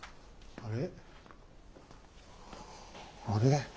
あれ？